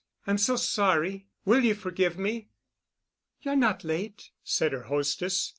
"I'm so sorry. Will you forgive me?" "You're not late," said her hostess.